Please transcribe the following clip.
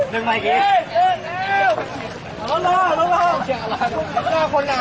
ก็ไม่มีอัศวินทรีย์ขึ้นมา